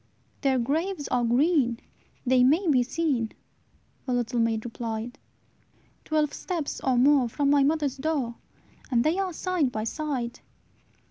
"Their graves are green, they may be seen," The little maid replied, "Twelve steps or more from my mother's door, And they are side by side.